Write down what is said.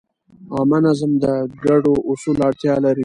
عامه نظم د ګډو اصولو اړتیا لري.